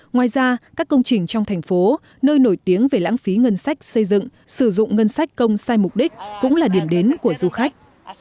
ngoài ra các công trình trong thành phố nơi nổi tiếng về lãng phí ngân sách xây dựng sử dụng ngân sách công sai mục đích cũng là điểm đến của du khách